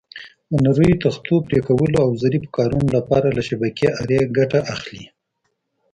د نریو تختو پرېکولو او ظریفو کارونو لپاره له شبکې آرې ګټه اخلي.